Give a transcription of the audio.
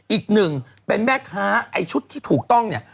อีกหนึ่งเป็นแม่ค้าไอ้ชุดที่ถูกต้องเนี่ย